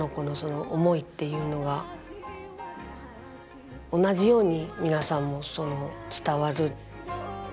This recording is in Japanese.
七つの女の子の思いっていうのは、同じように皆さんも伝わる。